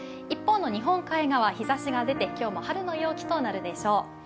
一方の日本海側、日ざしも出て今日は春の陽気となるでしょう。